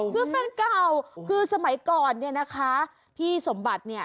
เมื่อแฟนเดียวคือสมัยก่อนนะคะพี่สมบัติเนี่ย